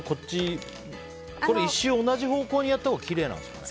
１周、同じ方向にやったほうがきれいなんですかね。